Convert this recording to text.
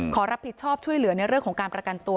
ขอรับผิดชอบช่วยเหลือในเรื่องของการประกันตัว